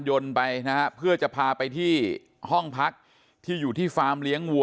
ยนต์ไปนะฮะเพื่อจะพาไปที่ห้องพักที่อยู่ที่ฟาร์มเลี้ยงวัว